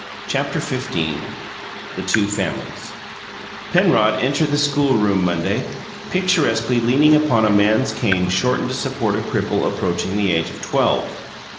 CHAPTER XV THE TWO FAMILIES Penrod entered the schoolroom, Monday picturesquely leaning upon a man's cane shortened to support a cripple approaching the age of twelve.